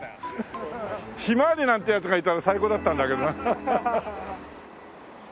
ヒマワリなんて奴がいたら最高だったんだけどな。